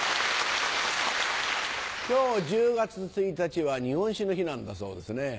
今日１０月１日は日本酒の日なんだそうですね。